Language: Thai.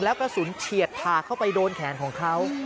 แล้วกระสุนเฉียดถาเข้าไปโดนแขนของเขา